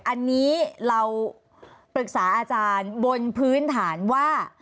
อันนี้เราปรึกษาอาจารย์บนพื้นฐานว่า